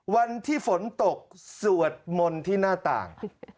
วันที่ฝนตกสวดมนต์ที่หน้าต่าง